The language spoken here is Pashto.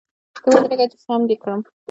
ته ودرېږه چي ! سم دي کړم .